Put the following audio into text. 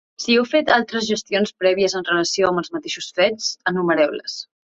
Si heu fet altres gestions prèvies en relació amb els mateixos fets, enumereu-les.